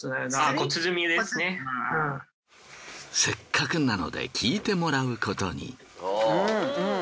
せっかくなので聞いてもらうことに。